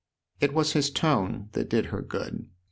It was his tone that did her good.